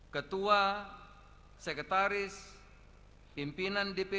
ketua sekretaris pimpinan dpp